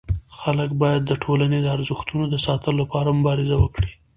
خلک باید د ټولني د ارزښتونو د ساتلو لپاره مبارزه وکړي.